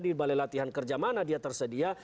di balai latihan kerja mana dia tersedia